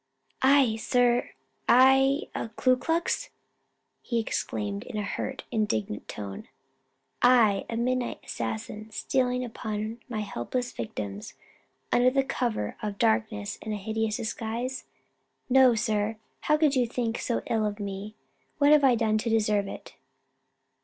"I, sir! I a Ku Klux?" he exclaimed in a hurt, indignant tone, "I a midnight assassin stealing upon my helpless victims under cover of darkness and a hideous disguise? No, sir. How could you think so ill of me? What have I done to deserve it?"